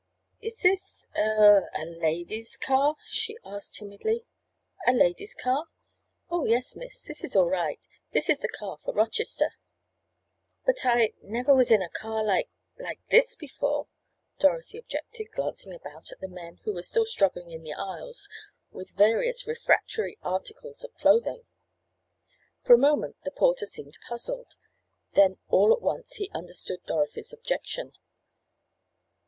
"Is this—er—a ladies' car?" she asked timidly. "A ladies' car? Oh, yes, miss. This is all right. This is the car for Rochester." "But I—never was in a car like—like this before," Dorothy objected, glancing about at the men who were still struggling in the aisles with various refractory articles of clothing. For a moment the porter seemed puzzled. Then, all at once, he understood Dorothy's objection.